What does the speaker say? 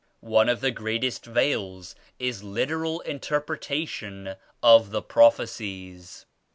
One of the greatest veils is literal inter pretation of the prophecies.